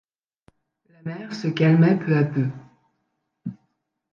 La mer se calmait peu à peu.